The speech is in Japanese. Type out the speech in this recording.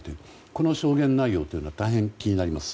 この証言内容は大変、気になります。